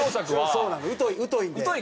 そうなの疎いので。